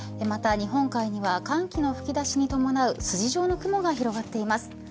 また日本海には寒気の吹き出しに伴う筋状の雲が広がっています。